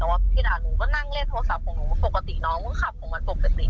แต่ว่าพี่ด่าหนูก็นั่งเล่นโทรศัพท์ของหนูปกติน้องก็ขับออกมาปกติ